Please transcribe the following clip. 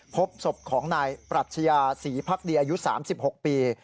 พบศพของนายปรัชญาศรีพักดีอายุ๓๖ปี